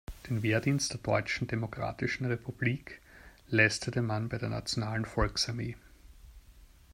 Den Wehrdienst der Deutschen Demokratischen Republik leistete man bei der nationalen Volksarmee.